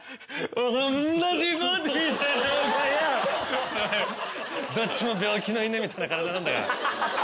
おいどっちも病気の犬みたいな体なんだから。